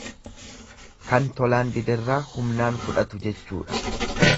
Kan tolaan diderraa humnaan fudhatu jechuudha.